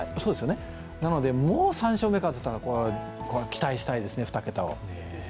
なので、もう３勝目かって、期待したいですね、２桁を。